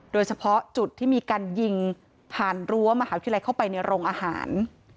โดยเฉพาะจุดที่มีการยิงผ่านรั้วมหาวิทยาลัยเข้าไปในโรงอาหาร